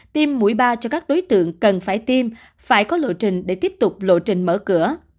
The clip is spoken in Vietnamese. tiêm mũi ba cho các đối tượng cần phải tiêm phải có lộ trình để tiếp tục lộ trình mở cửa